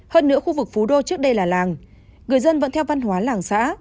hơn nữa khu vực phú đô trước đây là làng người dân vẫn theo văn hóa làng xã